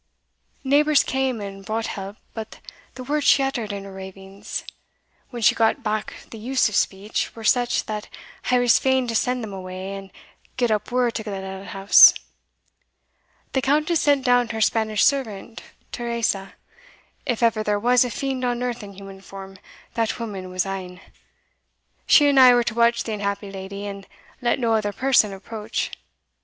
Neighbours cam and brought help; but the words she uttered in her ravings, when she got back the use of speech, were such, that I was fain to send them awa, and get up word to Glenallan House. The Countess sent down her Spanish servant Teresa if ever there was a fiend on earth in human form, that woman was ane. She and I were to watch the unhappy leddy, and let no other person approach.